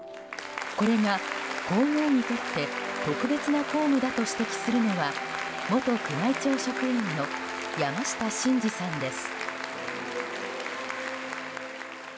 これが、皇后にとって特別な公務だと指摘するのは元宮内庁職員の山下晋司さんです。